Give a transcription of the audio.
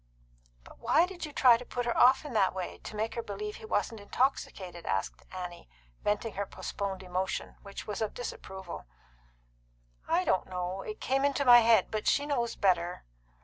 "But why did you try to put her off in that way to make her believe he wasn't intoxicated?" asked Annie, venting her postponed emotion, which was of disapproval. "I don't know. It came into my head. But she knows better."